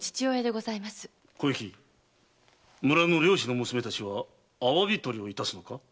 小雪村の漁師の娘達はアワビ取りを致すのか？